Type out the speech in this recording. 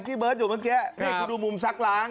กูดูมุมซักล้าง